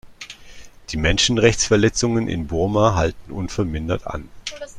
Die Menschenrechtsverletzungen in Burma halten unvermindert an.